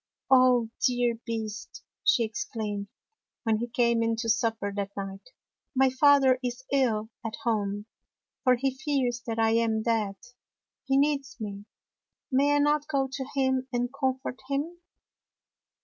" Oh, dear Beast!" she exclaimed, when he came in to supper that night, " my father is ill at home, for he fears that I am dead. He needs me. May I not go to him and comfort him?